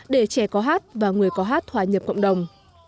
để trẻ có hát và người có hát hòa nhập cộng đồng